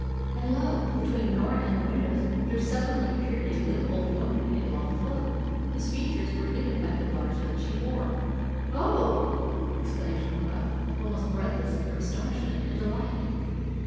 And lo! between Norah and the window there suddenly appeared a little old woman in a long cloak, whose features were hidden by the large hood she wore. "Oh!" exclaimed Norah, almost breathless in her astonishment and delight.